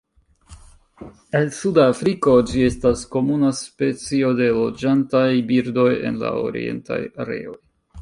En suda Afriko ĝi estas komuna specio de loĝantaj birdoj en la orientaj areoj.